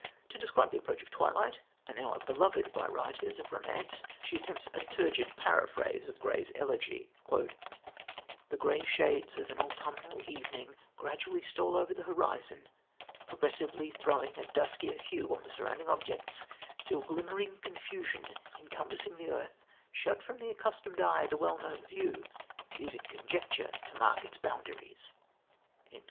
To describe the approach of twilight an hour beloved by writers of romance she attempts a turgid paraphrase of Gray's Elegy: "The grey shades of an autumnal evening gradually stole over the horizon, progressively throwing a duskier hue on the surrounding objects till glimmering confusion encompassing the earth shut from the accustomed eye the well known view, leaving conjecture to mark its boundaries."